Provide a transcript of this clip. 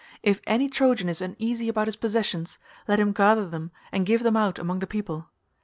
If any Trojan is uneasy about his possessions, let him gather them and give them out among the people.